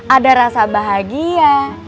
ada rasa bahagia